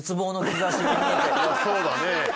そうだね。